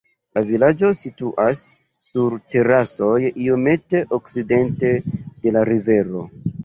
La vilaĝoj situas sur terasoj iomete okcidente de la rivero.